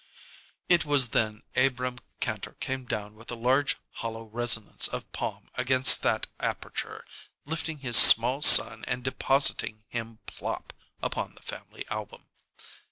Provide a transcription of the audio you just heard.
It was then Abrahm Kantor came down with a large hollow resonance of palm against that aperture, lifting his small son and depositing him plop upon the family album.